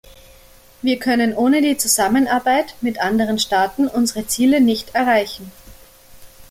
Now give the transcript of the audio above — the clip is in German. Wir können ohne die Zusammenarbeit mit anderen Staaten unsere Ziele nicht erreichen.